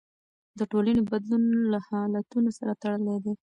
د ټولنې بدلون له حالتونو سره تړلی دی.